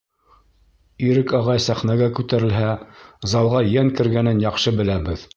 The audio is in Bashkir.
Ирек ағай сәхнәгә күтәрелһә, залға йән кергәнен яҡшы беләбеҙ.